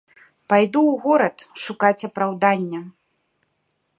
Пайду ў горад шукаць апраўдання.